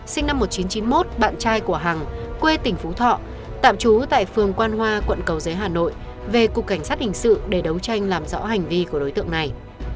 sinh năm một nghìn chín trăm chín mươi một bạn trai của hằng quê tỉnh phú thọ tạm trú tại phường quan hoa quận cầu giấy hà nội về cục cảnh sát hình sự để đấu tranh làm rõ hành vi của đối tượng này